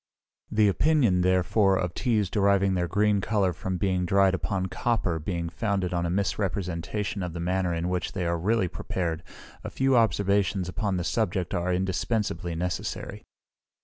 The opinion, therefore, of teas deriving their green colour from being dried upon copper being founded on a misrepresentation of the manner in which they are really prepared, a few observations upon the subject are indispensibly necessary.